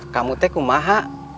kamu teku maha